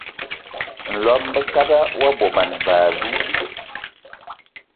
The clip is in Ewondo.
Nlɔb bəkada wa bɔban və yalu.